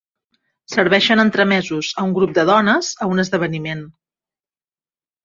Serveixen entremesos a un grup de dones a un esdeveniment.